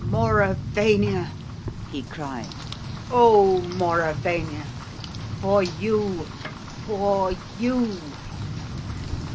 "Mauravania!" he cried. "Oh, Mauravania! For you! For you!"